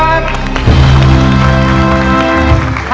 ไม่ใช้ครับ